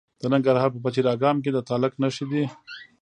د ننګرهار په پچیر اګام کې د تالک نښې دي.